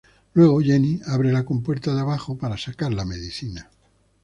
Luego Jenny abre la compuerta de abajo para sacar la medicina.